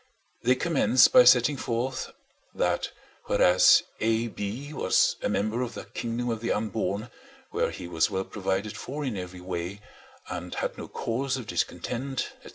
They commence by setting forth, That whereas A. B. was a member of the kingdom of the unborn, where he was well provided for in every way, and had no cause of discontent, &c.